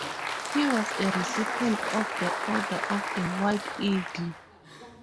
He was a recipient of the Order of the White Eagle.